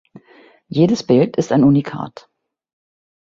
Jedes Bild ist ein Unikat.